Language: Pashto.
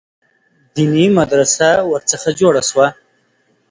دیني مدرسه ورڅخه جوړه سوه.